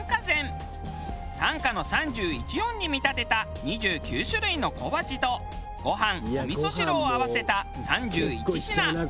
短歌の３１音に見立てた２９種類の小鉢とご飯お味噌汁を合わせた３１品。